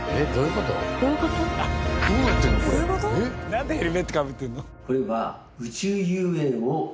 なんでヘルメットかぶってるの？